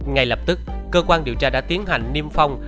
ngay lập tức cơ quan điều tra đã tiến hành niêm phong